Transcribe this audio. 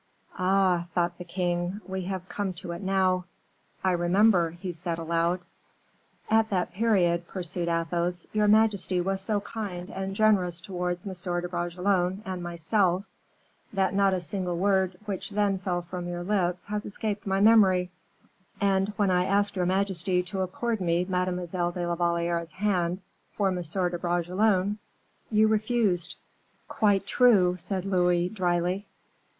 "Ah!" thought the king, "we have come to it now. I remember," he said, aloud. "At that period," pursued Athos, "your majesty was so kind and generous towards M. de Bragelonne and myself, that not a single word which then fell from your lips has escaped my memory; and, when I asked your majesty to accord me Mademoiselle de la Valliere's hand for M. de Bragelonne, you refused." "Quite true," said Louis, dryly.